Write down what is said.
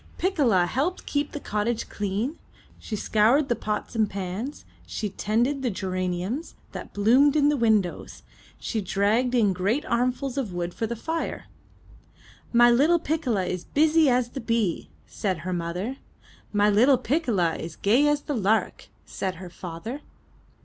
Piccola helped keep the cottage clean; she scoured the pots and pans; she tended the geraniums that bloomed in the windows; she dragged in great armfuls of wood for the fire. ''My little Piccola is busy as the bee/' vsaid her mother. ''My little Piccola is gay as the lark," said her father.